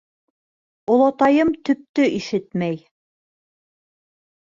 — Олатайым төптө ишетмәй.